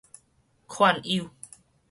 勸誘